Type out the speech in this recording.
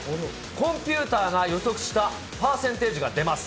コンピューターが予測したパーセンテージが出ます。